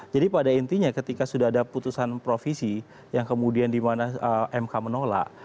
jadi pada intinya ketika sudah ada putusan provisi yang kemudian di mana mk menolak